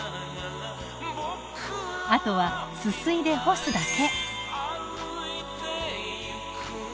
あとはすすいで干すだけ。